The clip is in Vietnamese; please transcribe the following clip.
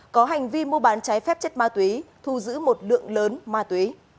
có hành vi mua bán trái phép chất ma túy thu giữ một lượng lớn ma túy